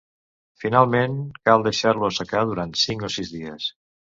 Finalment cal deixar-lo assecar durant cinc o sis dies.